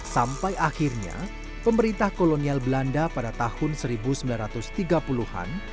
sampai akhirnya pemerintah kolonial belanda pada tahun seribu sembilan ratus tiga puluh an